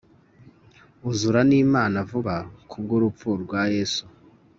Uzura n'lmana vuba Kubwo urupfu rwa Yesu :